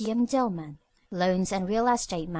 M. Dillman, loans and real estate.